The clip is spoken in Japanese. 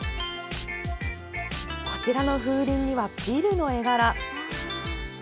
こちらの風鈴には、ビルの絵柄。